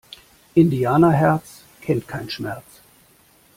Indianerherz kennt keinen Schmerz!